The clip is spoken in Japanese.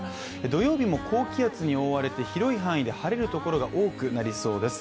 土曜日も高気圧に覆われて広い範囲で晴れるところが多くなりそうです。